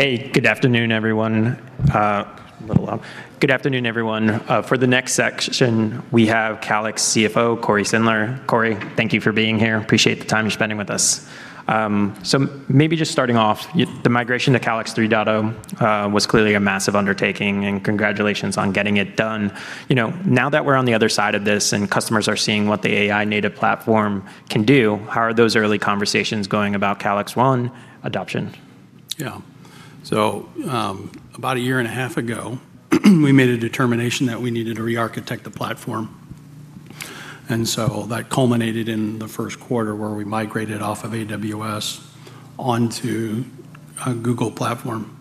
Good afternoon everyone. A little loud. Good afternoon everyone. For the next section, we have Calix CFO, Cory Sindelar. Cory, thank you for being here. Appreciate the time you're spending with us. Maybe just starting off, the migration to Calix 3.0 was clearly a massive undertaking, and congratulations on getting it done. Now that we're on the other side of this and customers are seeing what the AI native platform can do, how are those early conversations going about Calix One adoption? About a year and a half ago, we made a determination that we needed to re-architect the platform. That culminated in the first quarter where we migrated off of AWS onto a Google platform.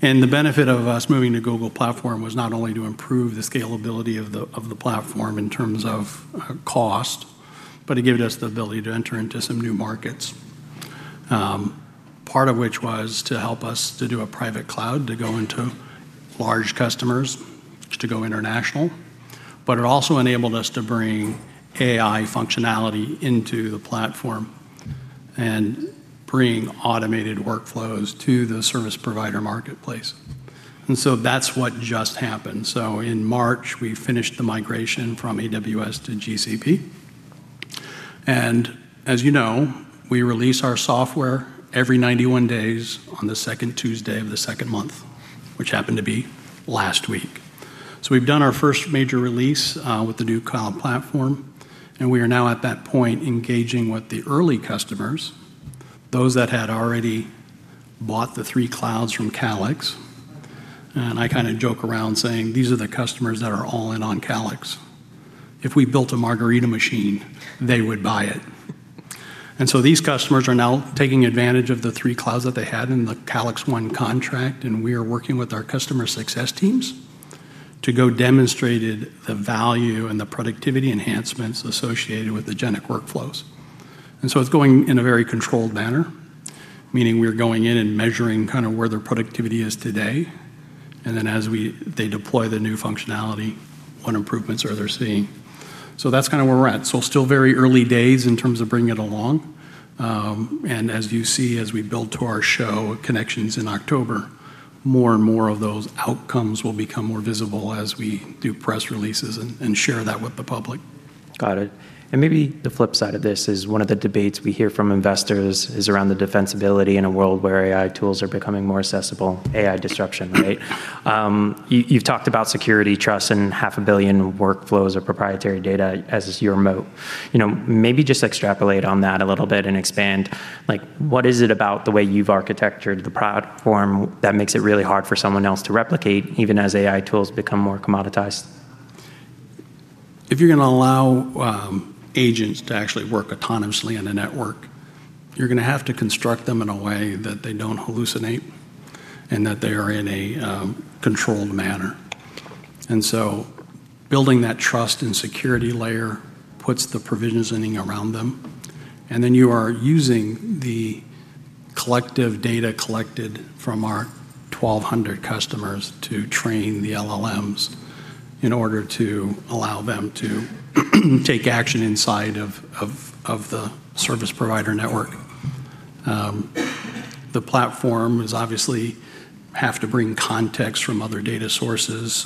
The benefit of us moving to Google platform was not only to improve the scalability of the platform in terms of cost, but it gave us the ability to enter into some new markets. Part of which was to help us to do a private cloud to go into large customers, to go international. It also enabled us to bring AI functionality into the platform and bring automated workflows to the service provider marketplace. That's what just happened. In March, we finished the migration from AWS to GCP. As you know, we release our software every 91 days on the second Tuesday of the second month, which happened to be last week. We've done our first major release with the new cloud platform, and we are now at that point engaging with the early customers, those that had already bought the three clouds from Calix. I kinda joke around saying, "These are the customers that are all in on Calix. If we built a margarita machine, they would buy it." These customers are now taking advantage of the three clouds that they had in the Calix One contract, and we are working with our customer success teams to go demonstrate the value and the productivity enhancements associated with the agentic workflows. It's going in a very controlled manner, meaning we're going in and measuring kinda where their productivity is today, and then as they deploy the new functionality, what improvements are they seeing. That's kinda where we're at. Still very early days in terms of bringing it along. As you see, as we build to our show ConneXions in October, more and more of those outcomes will become more visible as we do press releases and share that with the public. Got it. Maybe the flip side of this is one of the debates we hear from investors is around the defensibility in a world where AI tools are becoming more accessible, AI disruption, right? You've talked about security trust and half a billion workflows or proprietary data as is your moat. You know, maybe just extrapolate on that a little bit and expand, like, what is it about the way you've architectured the platform that makes it really hard for someone else to replicate, even as AI tools become more commoditized? If you're gonna allow agents to actually work autonomously in a network, you're gonna have to construct them in a way that they don't hallucinate and that they are in a controlled manner. Building that trust and security layer puts the provisioning around them, and then you are using the collective data collected from our 1,200 customers to train the LLMs in order to allow them to take action inside of the service provider network. The platform is obviously have to bring context from other data sources.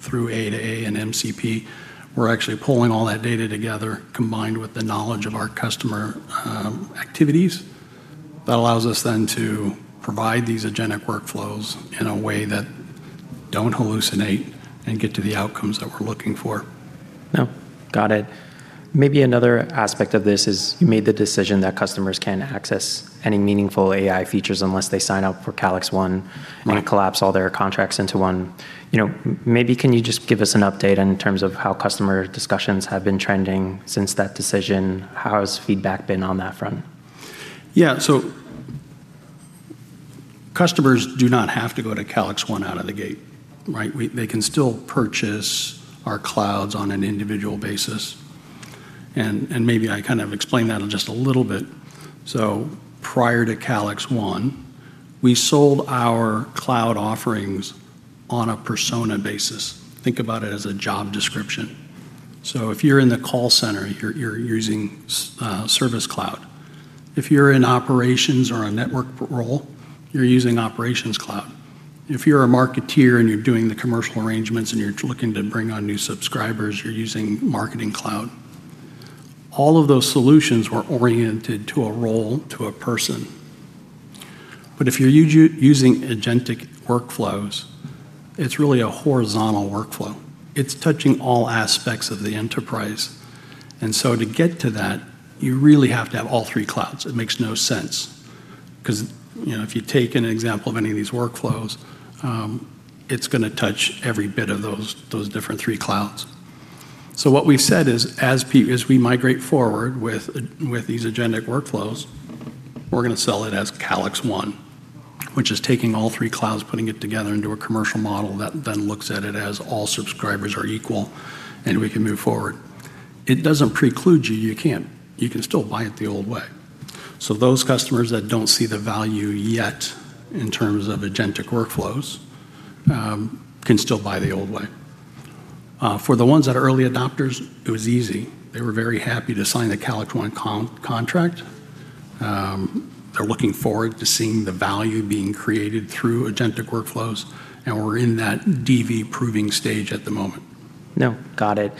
Through A2A and MCP, we're actually pulling all that data together, combined with the knowledge of our customer activities. That allows us then to provide these agentic workflows in a way that don't hallucinate and get to the outcomes that we're looking for. No, got it. Maybe another aspect of this is you made the decision that customers can't access any meaningful AI features unless they sign up for Calix One. Right. Collapse all their contracts into one. You know, maybe can you just give us an update in terms of how customer discussions have been trending since that decision? How has feedback been on that front? Yeah. Customers do not have to go to Calix One out of the gate, right? They can still purchase our clouds on an individual basis, and maybe I kind of explained that just a little bit. Prior to Calix One, we sold our cloud offerings on a persona basis. Think about it as a job description. If you're in the call center, you're using Service Cloud. If you're in operations or a network role, you're using Operations Cloud. If you're a marketeer and you're doing the commercial arrangements and you're looking to bring on new subscribers, you're using Marketing Cloud. All of those solutions were oriented to a role, to a person. If you're using agentic workflows, it's really a horizontal workflow. It's touching all aspects of the enterprise. To get to that, you really have to have all three clouds. It makes no sense 'cause, you know, if you take an example of any of these workflows, it's gonna touch every bit of those different three clouds. What we've said is as we migrate forward with these agentic workflows, we're gonna sell it as Calix One, which is taking all three clouds, putting it together into a commercial model that then looks at it as all subscribers are equal, and we can move forward. It doesn't preclude you. You can still buy it the old way. Those customers that don't see the value yet in terms of agentic workflows, can still buy the old way. For the ones that are early adopters, it was easy. They were very happy to sign the Calix One contract. They're looking forward to seeing the value being created through agentic workflows, and we're in that DV proving stage at the moment. No, got it.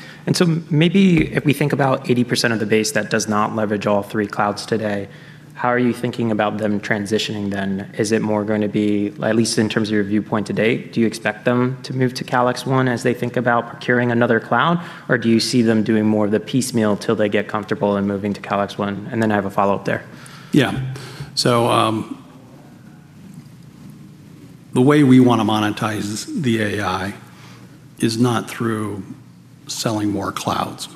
Maybe if we think about 80% of the base that does not leverage all three clouds today, how are you thinking about them transitioning then? Is it more going to be, at least in terms of your viewpoint to date, do you expect them to move to Calix One as they think about procuring another cloud? Or do you see them doing more of the piecemeal till they get comfortable and moving to Calix One? I have a follow-up there. The way we wanna monetize the AI is not through selling more clouds.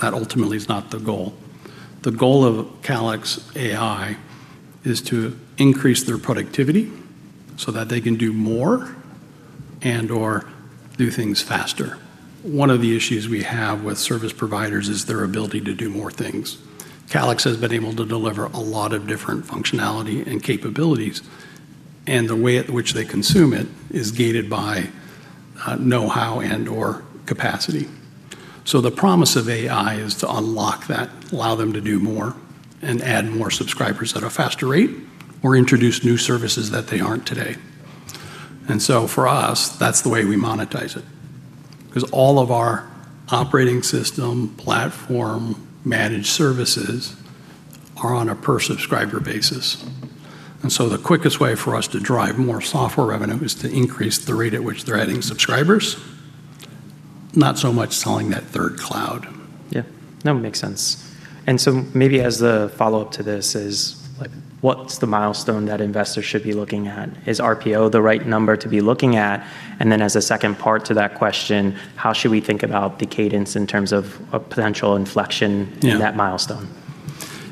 That ultimately is not the goal. The goal of Calix AI is to increase their productivity so that they can do more and/or do things faster. One of the issues we have with service providers is their ability to do more things. Calix has been able to deliver a lot of different functionality and capabilities, and the way at which they consume it is gated by know-how and/or capacity. The promise of AI is to unlock that, allow them to do more, and add more subscribers at a faster rate or introduce new services that they aren't today. For us, that's the way we monetize it. 'Cause all of our operating system, platform, managed services are on a per subscriber basis. The quickest way for us to drive more software revenue is to increase the rate at which they're adding subscribers, not so much selling that third cloud. Yeah. No, makes sense. Maybe as the follow-up to this is, like what's the milestone that investors should be looking at? Is RPO the right number to be looking at? As a second part to that question, how should we think about the cadence in terms of a potential inflection. Yeah. In that milestone?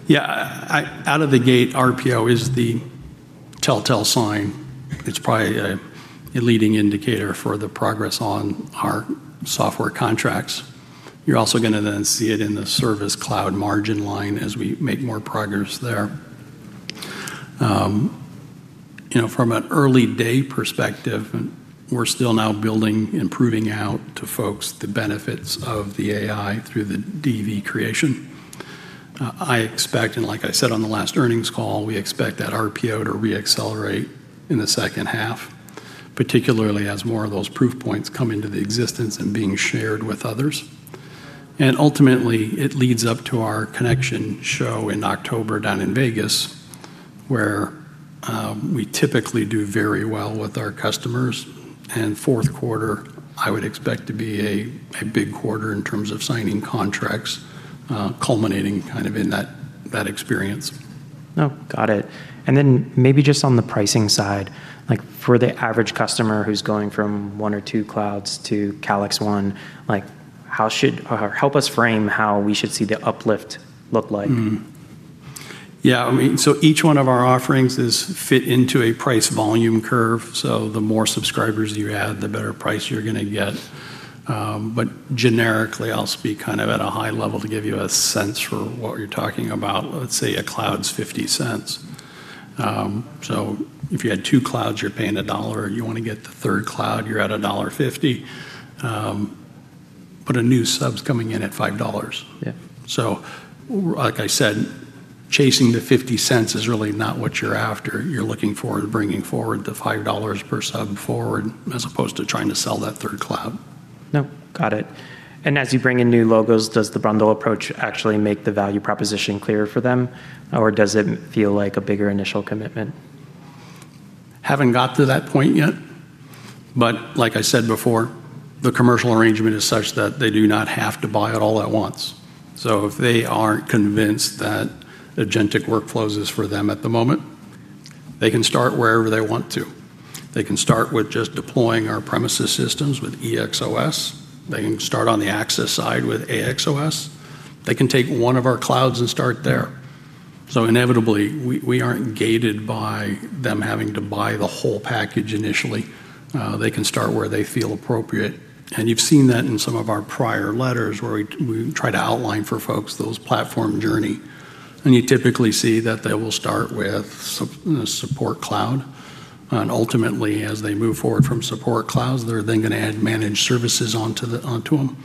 Yeah. I, out of the gate, RPO is the tell-tale sign. It's probably a leading indicator for the progress on our software contracts. You're also gonna then see it in the Service Cloud margin line as we make more progress there. You know, from an early day perspective, and we're still now building and proving out to folks the benefits of the AI through the DV creation, I expect, and like I said on the last earnings call, we expect that RPO to re-accelerate in the second half, particularly as more of those proof points come into the existence and being shared with others. Ultimately, it leads up to our ConneXions show in October down in Vegas, where we typically do very well with our customers. Fourth quarter, I would expect to be a big quarter in terms of signing contracts, culminating kind of in that experience. Oh, got it. Maybe just on the pricing side, like for the average customer who's going from one or two clouds to Calix One, like or help us frame how we should see the uplift look like. Yeah, I mean, each one of our offerings is fit into a price volume curve, so the more subscribers you add, the better price you're gonna get. Generically, I'll speak kind of at a high level to give you a sense for what you're talking about. Let's say a cloud's $0.50. If you had two clouds, you're paying $1. You wanna get the third cloud, you're at $1.50. A new sub's coming in at $5. Yeah. Like I said, chasing the $0.50 is really not what you're after. You're looking for bringing forward the $5 per sub forward as opposed to trying to sell that third cloud. No, got it. As you bring in new logos, does the bundle approach actually make the value proposition clearer for them? Or does it feel like a bigger initial commitment? Haven't got to that point yet. Like I said before, the commercial arrangement is such that they do not have to buy it all at once. If they aren't convinced that agentic workflows is for them at the moment, they can start wherever they want to. They can start with just deploying our premises systems with EXOS. They can start on the access side with AXOS. They can take one of our clouds and start there. Inevitably, we aren't gated by them having to buy the whole package initially. They can start where they feel appropriate. You've seen that in some of our prior letters where we try to outline for folks those platform journey. You typically see that they will start with Support Cloud. Ultimately, as they move forward from Support Clouds, they are then going to add managed services onto them.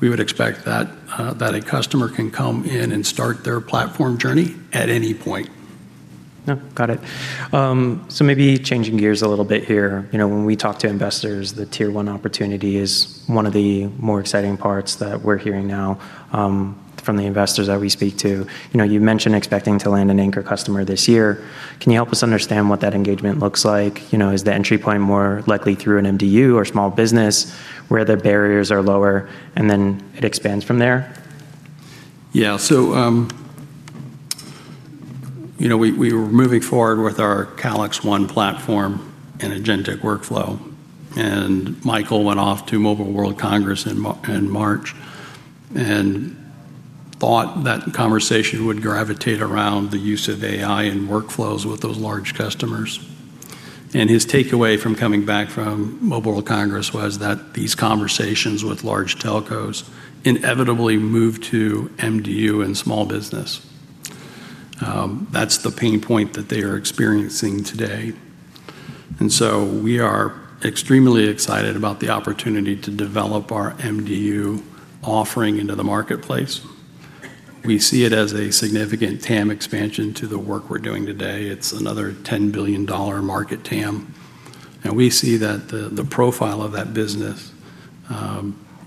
We would expect that a customer can come in and start their platform journey at any point. Yeah. Got it. Maybe changing gears a little bit here. You know, when we talk to investors, the Tier 1 opportunity is one of the more exciting parts that we're hearing now, from the investors that we speak to. You know, you mentioned expecting to land an anchor customer this year. Can you help us understand what that engagement looks like? You know, is the entry point more likely through an MDU or small business where the barriers are lower, and then it expands from there? You know, we were moving forward with our Calix One platform and agentic workflow. Michael went off to Mobile World Congress in March and thought that conversation would gravitate around the use of AI and workflows with those large customers. His takeaway from coming back from Mobile Congress was that these conversations with large telcos inevitably move to MDU and small business. That's the pain point that they are experiencing today. We are extremely excited about the opportunity to develop our MDU offering into the marketplace. We see it as a significant TAM expansion to the work we're doing today. It's another $10 billion market TAM. We see that the profile of that business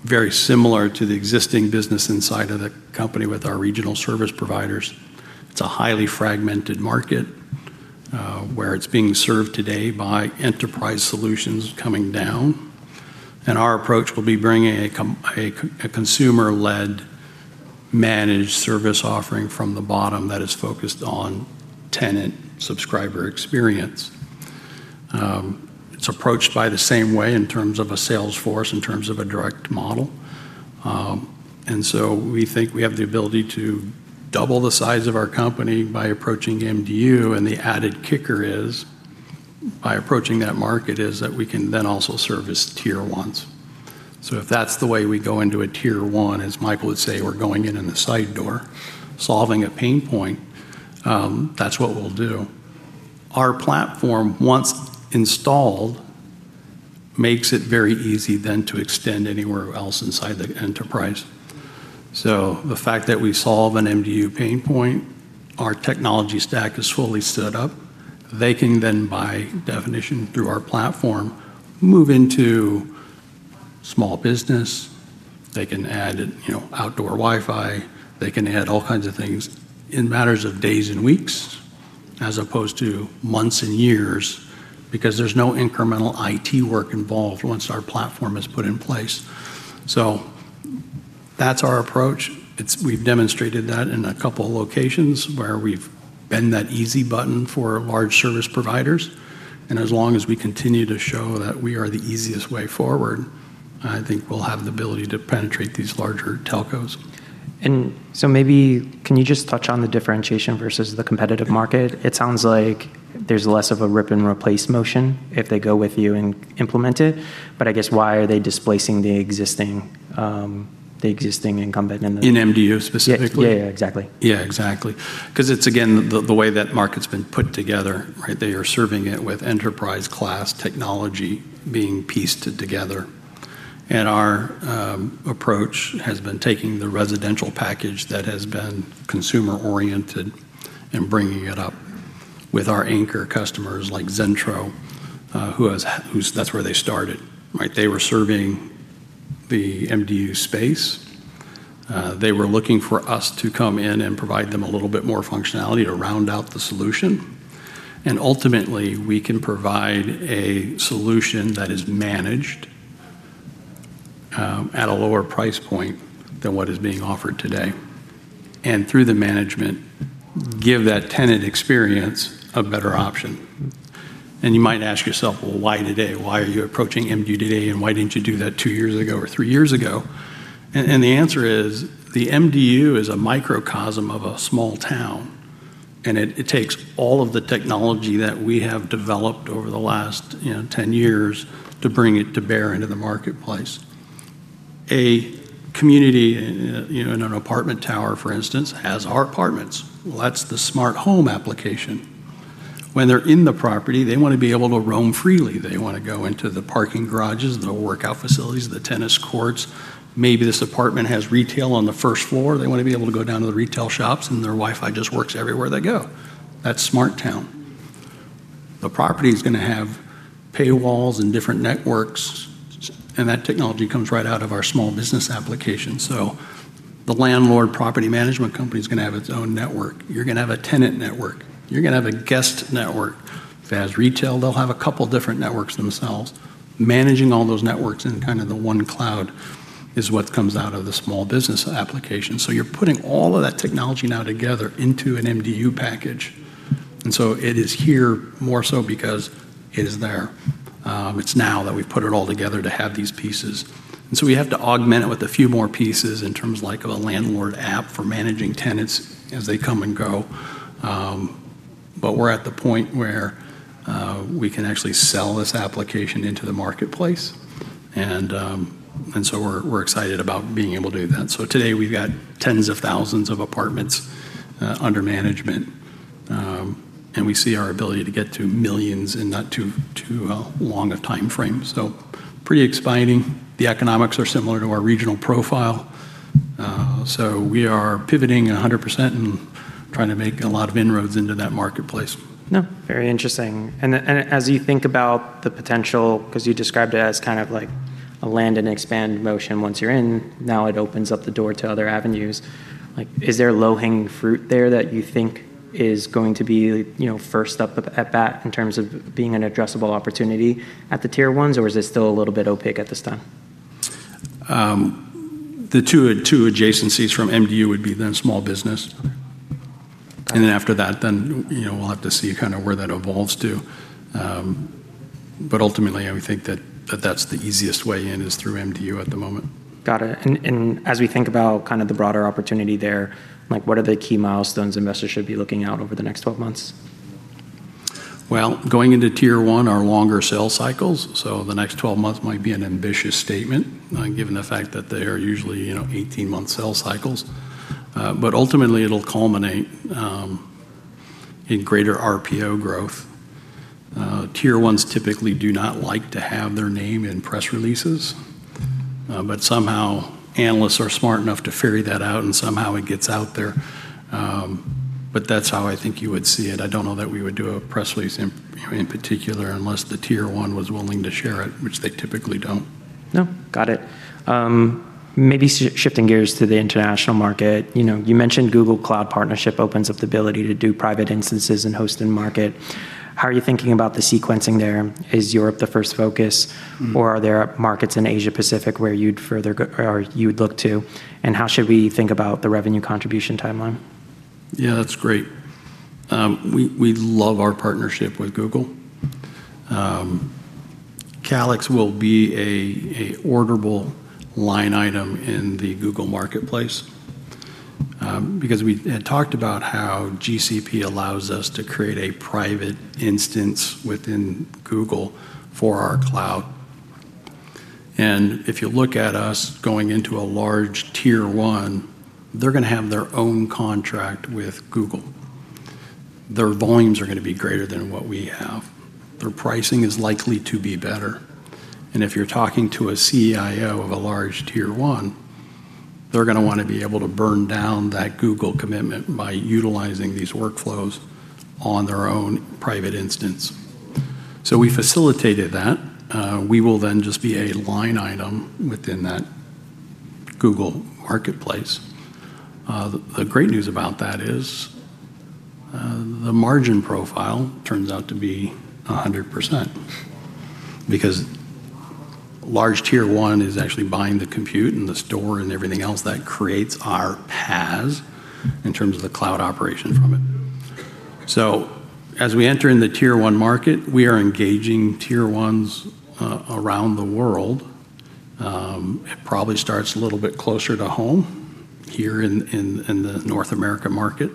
very similar to the existing business inside of the company with our regional service providers. It's a highly fragmented market, where it's being served today by enterprise solutions coming down, and our approach will be bringing a consumer-led managed service offering from the bottom that is focused on tenant subscriber experience. It's approached by the same way in terms of a sales force, in terms of a direct model. We think we have the ability to double the size of our company by approaching MDU, and the added kicker is, by approaching that market, is that we can then also service Tier 1s. If that's the way we go into a Tier 1, as Michael would say, we're going in in the side door, solving a pain point, that's what we'll do. Our platform, once installed, makes it very easy then to extend anywhere else inside the enterprise. The fact that we solve an MDU pain point, our technology stack is fully stood up. They can then, by definition, through our platform, move into small business. They can add, you know, outdoor Wi-Fi. They can add all kinds of things in matters of days and weeks, as opposed to months and years, because there's no incremental IT work involved once our platform is put in place. That's our approach. We've demonstrated that in a couple locations where we've been that easy button for large service providers, and as long as we continue to show that we are the easiest way forward, I think we'll have the ability to penetrate these larger telcos. Maybe can you just touch on the differentiation versus the competitive market? It sounds like there's less of a rip-and-replace motion if they go with you and implement it, but I guess why are they displacing the existing, the existing incumbent? In MDU specifically? Yeah. Yeah, exactly. Yeah, exactly. 'Cause it's, again, the way that market's been put together, right? They are serving it with enterprise-class technology being pieced together. Our approach has been taking the residential package that has been consumer-oriented and bringing it up with our anchor customers like Zentro, who's that's where they started, right? They were serving the MDU space. They were looking for us to come in and provide them a little bit more functionality to round out the solution. Ultimately, we can provide a solution that is managed, at a lower price point than what is being offered today, and through the management, give that tenant experience a better option. You might ask yourself, "Well, why today? Why are you approaching MDU today, and why didn't you do that two years ago or three years ago? The answer is, the MDU is a microcosm of a small town, and it takes all of the technology that we have developed over the last, you know, 10 years to bring it to bear into the marketplace. A community, you know, in an apartment tower, for instance, has our apartments. Well, that's the SmartHome application. When they're in the property, they wanna be able to roam freely. They wanna go into the parking garages, the workout facilities, the tennis courts. Maybe this apartment has retail on the first floor. They wanna be able to go down to the retail shops, and their Wi-Fi just works everywhere they go. That's SmartTown. The property's gonna have paywalls and different networks, and that technology comes right out of our small business application. The landlord property management company's gonna have its own network. You're gonna have a tenant network. You're gonna have a guest network. If it has retail, they'll have a couple different networks themselves. Managing all those networks in kinda the one cloud is what comes out of the small business application. You're putting all of that technology now together into an MDU package. It is here more so because it is there. It's now that we've put it all together to have these pieces. We have to augment it with a few more pieces in terms, like, of a landlord app for managing tenants as they come and go. We're at the point where we can actually sell this application into the marketplace, and so we're excited about being able to do that. Today we've got 10s of 1,000 of apartments under management, and we see our ability to get to millions in not too long a timeframe. Pretty exciting. The economics are similar to our regional profile. We are pivoting 100% and trying to make a lot of inroads into that marketplace. No, very interesting. As you think about the potential, 'cause you described it as kind of like a land-and-expand motion once you're in, now it opens up the door to other avenues. Is there low-hanging fruit there that you think is going to be, you know, first up at bat in terms of being an addressable opportunity at the Tier 1s, or is it still a little bit opaque at this time? The two adjacencies from MDU would be then small business. After that, then, you know, we'll have to see kinda where that evolves to. Ultimately I think that that's the easiest way in, is through MDU at the moment. Got it. As we think about kind of the broader opportunity there, like, what are the key milestones investors should be looking out over the next 12 months? Going into Tier 1 are longer sales cycles, so the next 12 months might be an ambitious statement, given the fact that they are usually, you know, 18-month sales cycles. Ultimately it'll culminate in greater RPO growth. Tier 1s typically do not like to have their name in press releases, but somehow analysts are smart enough to figure that out, and somehow it gets out there. That's how I think you would see it. I don't know that we would do a press release in particular unless the Tier 1 was willing to share it, which they typically don't. No, got it. Maybe shifting gears to the international market. You know, you mentioned Google Cloud partnership opens up the ability to do private instances and host in market. How are you thinking about the sequencing there? Is Europe the first focus? Are there markets in Asia-Pacific where you'd further or you would look to? How should we think about the revenue contribution timeline? That's great. We love our partnership with Google. Calix will be an orderable line item in the Google Marketplace, because we had talked about how GCP allows us to create a private instance within Google for our cloud. If you look at us going into a large Tier 1, they are going to have their own contract with Google. Their volumes are going to be greater than what we have. Their pricing is likely to be better. If you are talking to a CIO of a large Tier 1, they are going to want to be able to burn down that Google commitment by utilizing these workflows on their own private instance. We facilitated that. We will then just be a line item within that Google Marketplace. The, the great news about that is the margin profile turns out to be 100% because large Tier 1 is actually buying the compute and the store and everything else that creates our paths in terms of the cloud operation from it. As we enter in the Tier 1 market, we are engaging Tier 1s around the world. It probably starts a little bit closer to home here in, in the North America market.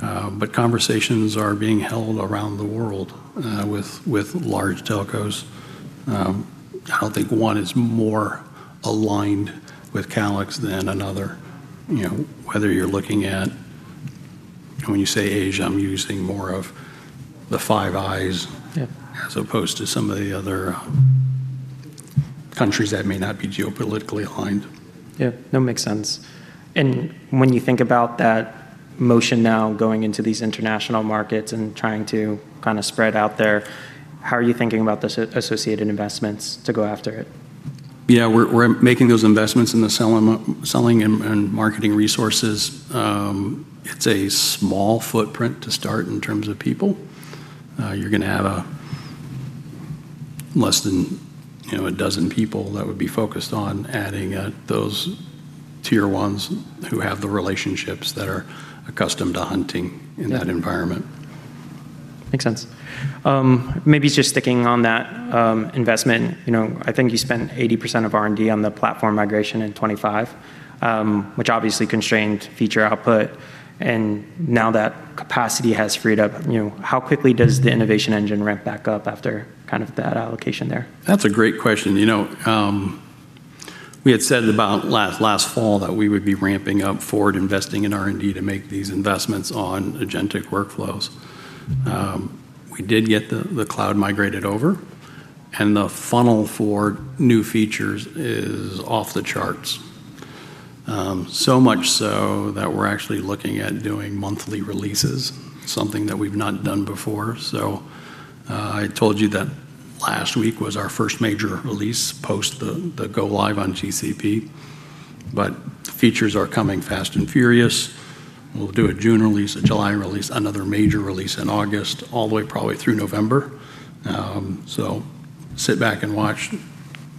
Conversations are being held around the world with large telcos. I don't think one is more aligned with Calix than another. You know, whether you're looking at when you say Asia, I'm using more of the Five Eyes. Yeah. As opposed to some of the other countries that may not be geopolitically aligned. Yeah. No, makes sense. When you think about that motion now going into these international markets and trying to kinda spread out there, how are you thinking about the associated investments to go after it? Yeah. We're making those investments in the selling and marketing resources. It's a small footprint to start in terms of people. You're gonna have a less than, you know, 12 people that would be focused on adding those Tier 1s who have the relationships that are accustomed to. Yeah. In that environment. Makes sense. Maybe just sticking on that, investment. You know, I think you spent 80% of R&D on the platform migration in 2025, which obviously constrained feature output, and now that capacity has freed up. You know, how quickly does the innovation engine ramp back up after kind of that allocation there? That's a great question. You know, we had said about last fall that we would be ramping up forward investing in R&D to make these investments on agentic workflows. We did get the cloud migrated over, and the funnel for new features is off the charts. So much so that we're actually looking at doing monthly releases, something that we've not done before. I told you that last week was our first major release post the go live on GCP. Features are coming fast and furious. We'll do a June release, a July release, another major release in August, all the way probably through November. Sit back and watch.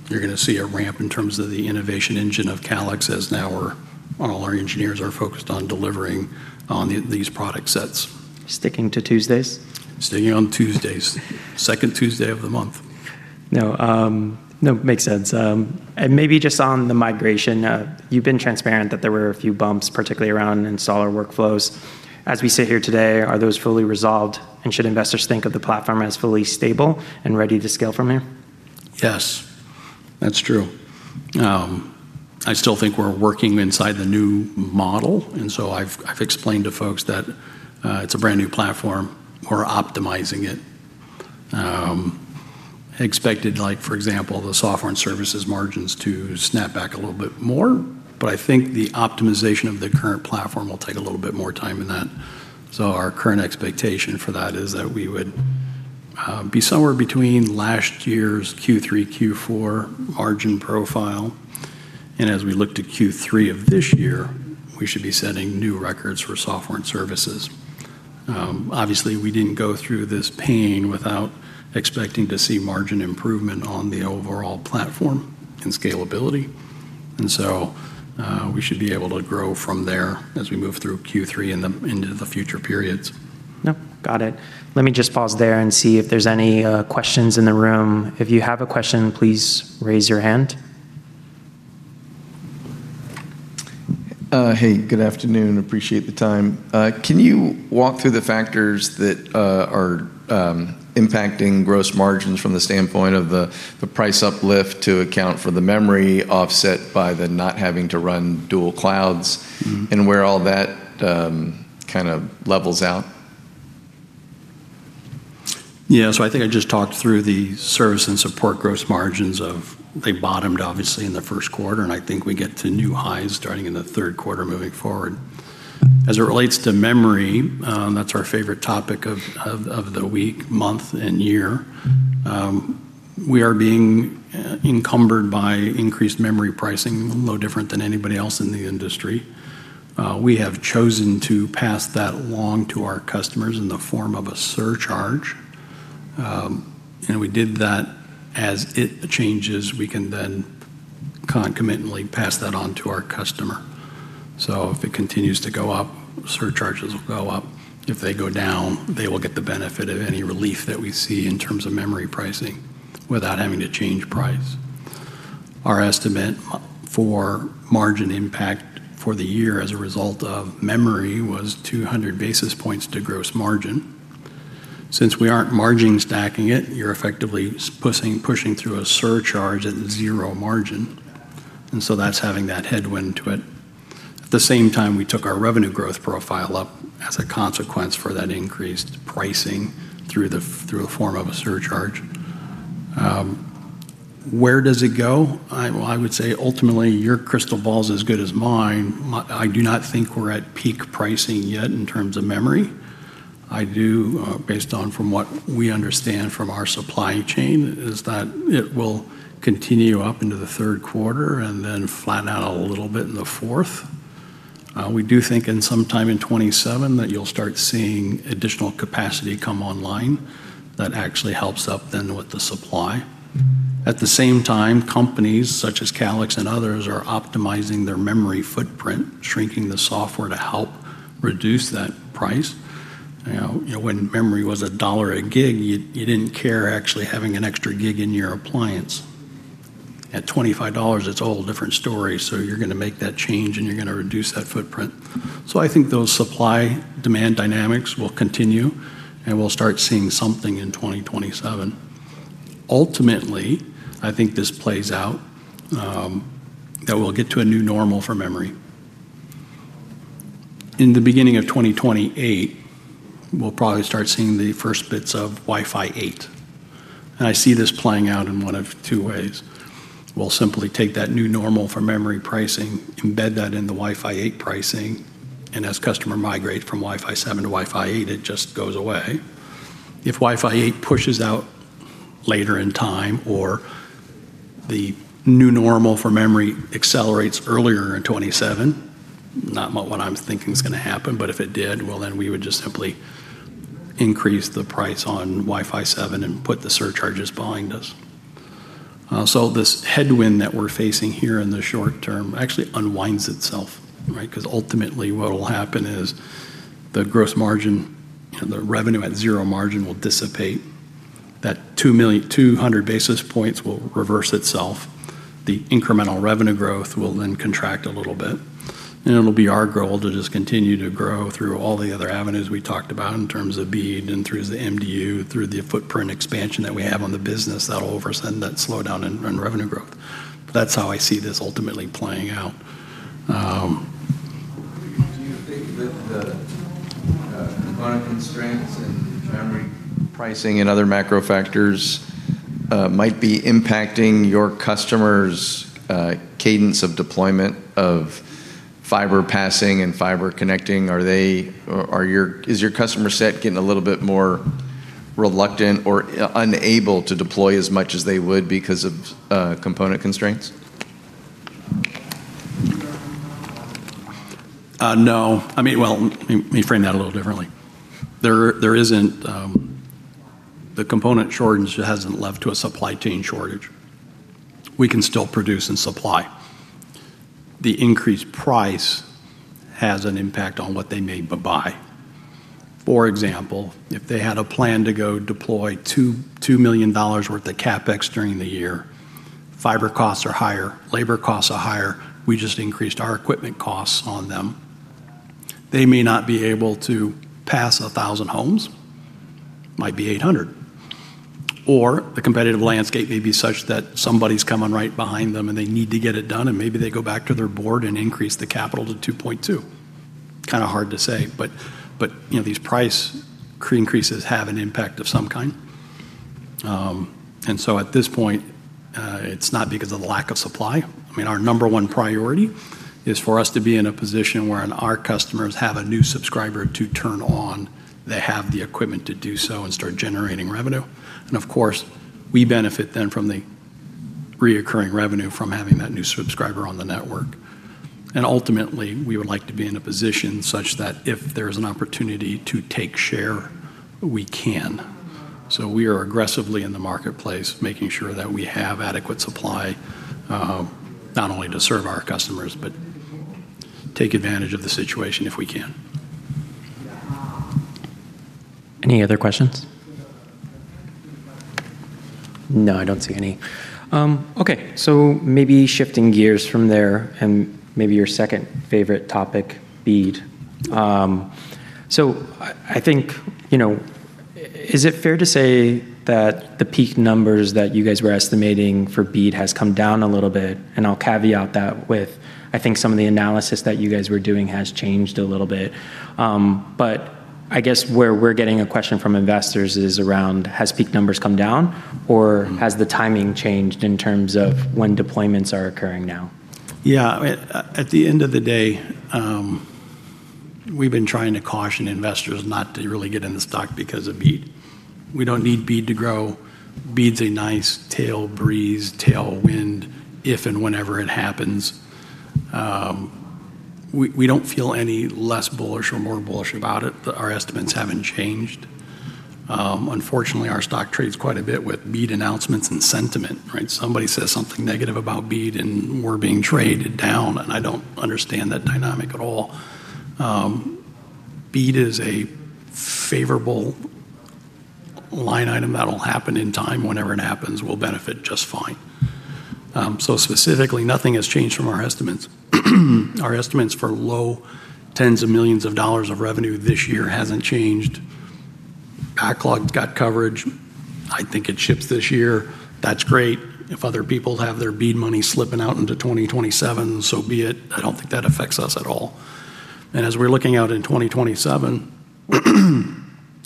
You're gonna see a ramp in terms of the innovation engine of Calix as now all our engineers are focused on delivering on these product sets. Sticking to Tuesdays? Sticking on Tuesdays. Second Tuesday of the month. No, no, makes sense. Maybe just on the migration, you've been transparent that there were a few bumps, particularly around installer workflows. As we sit here today, are those fully resolved, and should investors think of the platform as fully stable and ready to scale from here? Yes, that's true. I still think we're working inside the new model, and so I've explained to folks that it's a brand-new platform. We're optimizing it. Expected, like for example, the software and services margins to snap back a little bit more. I think the optimization of the current platform will take a little bit more time than that. Our current expectation for that is that we would be somewhere between last year's Q3, Q4 margin profile. As we look to Q3 of this year, we should be setting new records for software and services. Obviously, we didn't go through this pain without expecting to see margin improvement on the overall platform and scalability. We should be able to grow from there as we move through Q3 into the future periods. No, got it. Let me just pause there and see if there's any questions in the room. If you have a question, please raise your hand. Hey, good afternoon. Appreciate the time. Can you walk through the factors that are impacting gross margins from the standpoint of the price uplift to account for the memory offset by the not having to run dual clouds? Where all that, kind of levels out? I think I just talked through the service and support gross margins of they bottomed, obviously, in the first quarter, and I think we get to new highs starting in the third quarter moving forward. As it relates to memory, that's our favorite topic of the week, month, and year. We are being encumbered by increased memory pricing, no different than anybody else in the industry. We have chosen to pass that along to our customers in the form of a surcharge. We did that as it changes, we can then concomitantly pass that on to our customer. If it continues to go up, surcharges will go up. If they go down, they will get the benefit of any relief that we see in terms of memory pricing without having to change price. Our estimate for margin impact for the year as a result of memory was 200 basis points to gross margin. Since we aren't margin stacking it, you're effectively pushing through a surcharge at zero margin. That's having that headwind to it. At the same time, we took our revenue growth profile up as a consequence for that increased pricing through a form of a surcharge. Where does it go? I, well, I would say ultimately, your crystal ball is as good as mine. I do not think we're at peak pricing yet in terms of memory. I do, based on from what we understand from our supply chain, is that it will continue up into the third quarter and then flatten out a little bit in the fourth. We do think in sometime in 2027 that you'll start seeing additional capacity come online that actually helps up then with the supply. At the same time, companies such as Calix and others are optimizing their memory footprint, shrinking the software to help reduce that price. You know, when memory was a $1 a gig, you didn't care actually having an extra gig in your appliance. At $25, it's a whole different story, so you're gonna make that change, and you're gonna reduce that footprint. I think those supply-demand dynamics will continue, and we'll start seeing something in 2027. Ultimately, I think this plays out that we'll get to a new normal for memory. In the beginning of 2028, we'll probably start seeing the first bits of Wi-Fi 8. I see this playing out in one of two ways. We'll simply take that new normal for memory pricing, embed that in the Wi-Fi 8 pricing, and as customer migrate from Wi-Fi 7 to Wi-Fi 8, it just goes away. If Wi-Fi 8 pushes out later in time or the new normal for memory accelerates earlier in 2027, not what I'm thinking is gonna happen, but if it did, well, then we would just simply increase the price on Wi-Fi 7 and put the surcharges behind us. This headwind that we're facing here in the short term actually unwinds itself, right? Ultimately, what'll happen is the gross margin and the revenue at zero margin will dissipate. That 200 basis points will reverse itself. The incremental revenue growth will then contract a little bit. It'll be our goal to just continue to grow through all the other avenues we talked about in terms of BEAD and through the MDU, through the footprint expansion that we have on the business. That'll offset that slowdown in revenue growth. But that's how I see this ultimately playing out. [inaudible] Constraints and memory pricing and other macro factors might be impacting your customers' cadence of deployment of fiber passing and fiber connecting? Is your customer set getting a little bit more reluctant or unable to deploy as much as they would because of component constraints? No. I mean, well, let me frame that a little differently. The component shortage hasn't led to a supply chain shortage. We can still produce and supply. The increased price has an impact on what they may buy. For example, if they had a plan to go deploy $2 million worth of CapEx during the year, fiber costs are higher, labor costs are higher. We just increased our equipment costs on them. They may not be able to pass 1,000 homes. Might be 800. The competitive landscape may be such that somebody's coming right behind them, and they need to get it done, and maybe they go back to their board and increase the capital to $2.2 million. Kind of hard to say, but, you know, these price increases have an impact of some kind. At this point, it's not because of the lack of supply. I mean, our number one priority is for us to be in a position where when our customers have a new subscriber to turn on, they have the equipment to do so and start generating revenue. Of course, we benefit then from the recurring revenue from having that new subscriber on the network. Ultimately, we would like to be in a position such that if there's an opportunity to take share, we can. We are aggressively in the marketplace, making sure that we have adequate supply, not only to serve our customers, but take advantage of the situation if we can. Any other questions? No, I don't see any. Okay. Maybe shifting gears from there, and maybe your second favorite topic, BEAD. I think, you know, is it fair to say that the peak numbers that you guys were estimating for BEAD has come down a little bit? I'll caveat that with, I think some of the analysis that you guys were doing has changed a little bit. I guess where we're getting a question from investors is around has peak numbers come down or Has the timing changed in terms of when deployments are occurring now? Yeah. At the end of the day, we've been trying to caution investors not to really get into stock because of BEAD. We don't need BEAD to grow. BEAD's a nice tail breeze, tailwind, if and whenever it happens. We don't feel any less bullish or more bullish about it. Our estimates haven't changed. Unfortunately, our stock trades quite a bit with BEAD announcements and sentiment, right? Somebody says something negative about BEAD, we're being traded down, I don't understand that dynamic at all. BEAD is a favorable line item that'll happen in time. Whenever it happens, we'll benefit just fine. Specifically, nothing has changed from our estimates. Our estimates for low 10s of millions of dollars of revenue this year hasn't changed. Backlog's got coverage. I think it ships this year. That's great. If other people have their BEAD money slipping out into 2027, so be it. I don't think that affects us at all. As we're looking out in 2027,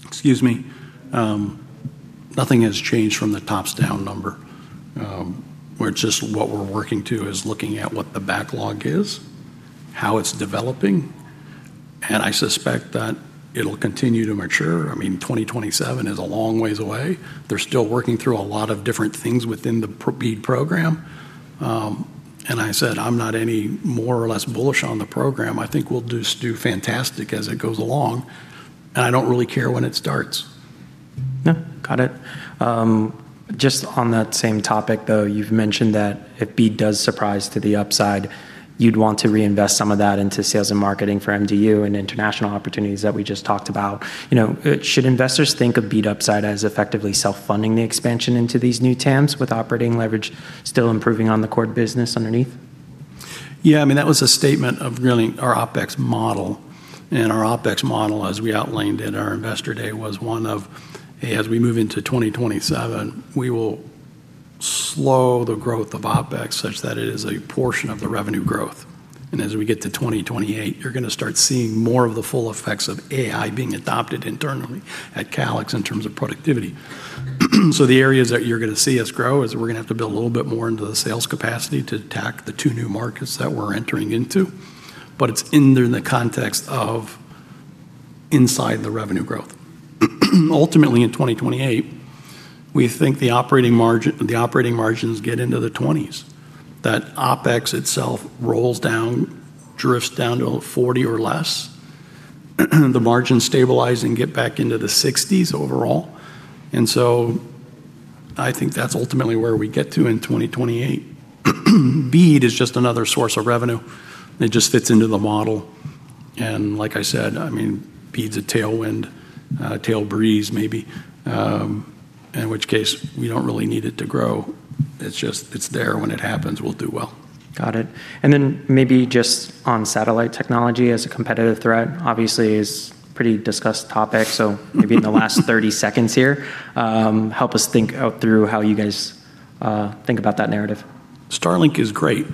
excuse me, nothing has changed from the tops down number. What we're working to is looking at what the backlog is, how it's developing, and I suspect that it'll continue to mature. I mean, 2027 is a long ways away. They're still working through a lot of different things within the BEAD program. I said I'm not any more or less bullish on the program. I think we'll do fantastic as it goes along, and I don't really care when it starts. No, got it. Just on that same topic, though, you've mentioned that if BEAD does surprise to the upside, you'd want to reinvest some of that into sales and marketing for MDU and international opportunities that we just talked about. You know, should investors think of BEAD upside as effectively self-funding the expansion into these new TAMs with operating leverage still improving on the core business underneath? Yeah, I mean, that was a statement of really our OpEx model. Our OpEx model, as we outlined in our Investor Day, was one of, as we move into 2027, we will slow the growth of OpEx such that it is a portion of the revenue growth. As we get to 2028, you're gonna start seeing more of the full effects of AI being adopted internally at Calix in terms of productivity. The areas that you're gonna see us grow is we're gonna have to build a little bit more into the sales capacity to attack the two new markets that we're entering into, but it's in there in the context of inside the revenue growth. Ultimately, in 2028, we think the operating margin, the operating margins get into the 20s. That OpEx itself rolls down, drifts down to a 40 or less. The margins stabilize and get back into the 60s overall. I think that's ultimately where we get to in 2028. BEAD is just another source of revenue, and it just fits into the model. Like I said, I mean, BEAD's a tailwind, a tail breeze maybe, in which case we don't really need it to grow. It's just, it's there. When it happens, we'll do well. Got it. Then maybe just on satellite technology as a competitive threat, obviously is pretty discussed topic. Maybe in the last 30 seconds here, help us think out through how you guys think about that narrative. Starlink is great.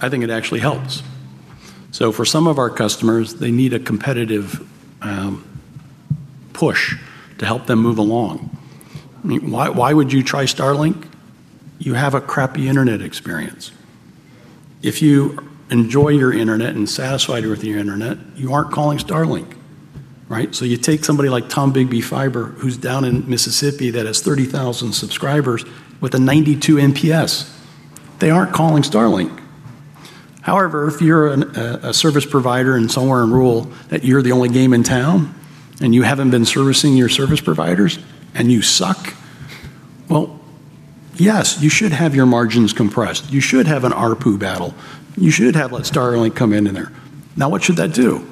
I think it actually helps. For some of our customers, they need a competitive push to help them move along. Why would you try Starlink? You have a crappy internet experience. If you enjoy your internet and satisfied with your internet, you aren't calling Starlink, right? You take somebody like Tombigbee Fiber, who's down in Mississippi that has 30,000 subscribers with a 92 NPS. They aren't calling Starlink. However, if you're a service provider in somewhere in rural that you're the only game in town, and you haven't been servicing your service providers, and you suck, well, yes, you should have your margins compressed. You should have an ARPU battle. You should have let Starlink come in in there. What should that do?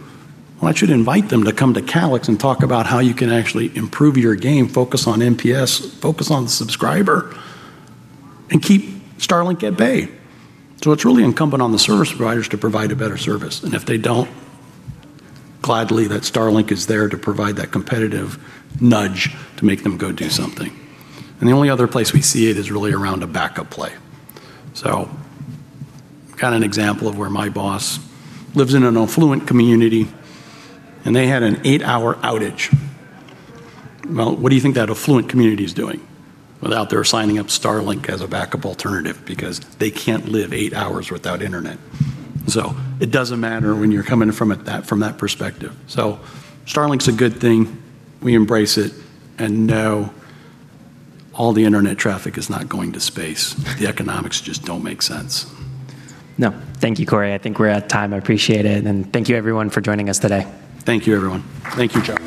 That should invite them to come to Calix and talk about how you can actually improve your game, focus on NPS, focus on the subscriber, and keep Starlink at bay. It's really incumbent on the service providers to provide a better service, and if they don't, gladly that Starlink is there to provide that competitive nudge to make them go do something. The only other place we see it is really around a backup play. Kind of an example of where my boss lives in an affluent community, and they had an eight-hour outage. What do you think that affluent community is doing? Out there signing up Starlink as a backup alternative because they can't live eight hours without internet. It doesn't matter when you're coming from it that, from that perspective. Starlink's a good thing. We embrace it and know all the internet traffic is not going to space. The economics just don't make sense. No. Thank you, Cory. I think we're at time. I appreciate it, and thank you everyone for joining us today. Thank you, everyone. Thank you, Jeff.